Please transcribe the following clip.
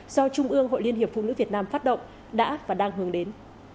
do trung ương hội liên hiệp phụ nữ việt nam phát động đã và đang hướng đến